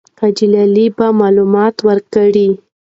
حاجي لالی به معلومات ورکړي.